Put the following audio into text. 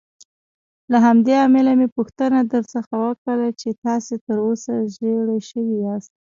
له همدې امله مې پوښتنه درڅخه وکړل چې تاسې تراوسه ژېړی شوي یاست.